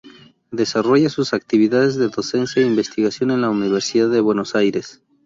Desarrolla sus actividades de docencia e investigación en la Universidad de Buenos Aires.